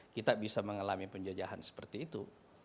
kita bisa mengalami penjajahan seperti itu